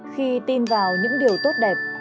khi tin vào những điều tốt đẹp